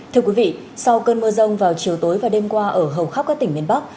thưa quý vị sau cơn mưa rông vào chiều tối và đêm qua ở hầu khắp các tỉnh miền bắc